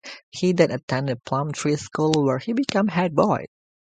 He then attended Plumtree School, where he became head boy.